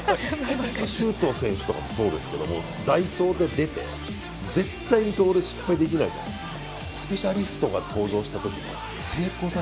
周東選手とかもそうですけど代走で出て、絶対に盗塁失敗できないじゃないですか。